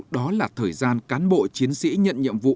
đó là thời gian cán bộ chiến sĩ nhận nhiệm vụ